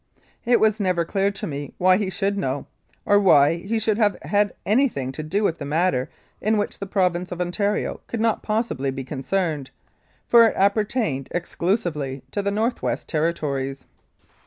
It was never clear to me why he should know, or why he should have had anything to do with a matter in which the Province of Ontario could not possibly be concerned, for it appertained ex clusively to the North West Territories.